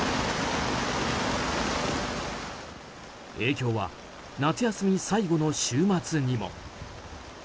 影響は、夏休み最後の週末にも。